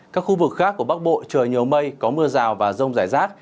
các khu vực khác của bắc bộ trời nhiều mây có mưa rào và rông rải rác